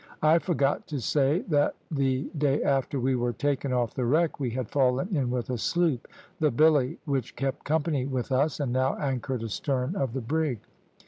I forgot to say that the day after we were taken off the wreck we had fallen in with a sloop, the Billy, which kept company with us, and now anchored astern of the brig.